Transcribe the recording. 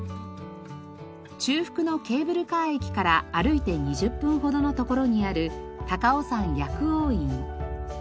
中腹のケーブルカー駅から歩いて２０分ほどの所にある高尾山薬王院。